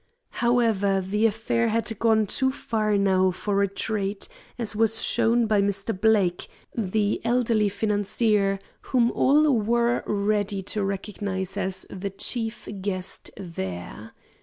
However, the affair had gone too far now for retreat, as was shown by Mr. Blake, the elderly financier whom all were ready to recognise as the chief guest there.